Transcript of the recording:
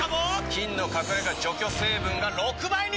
菌の隠れ家除去成分が６倍に！